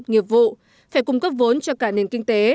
nghiệp vụ phải cung cấp vốn cho cả nền kinh tế